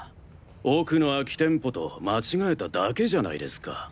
奥の空き店舗と間違えただけじゃないですか。